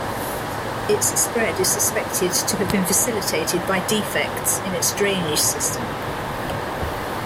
Its spread is suspected to have been facilitated by defects in its drainage system.